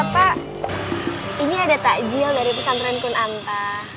pak ini ada takjil dari pesantren kun anta